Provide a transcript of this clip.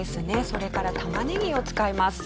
それからタマネギを使います。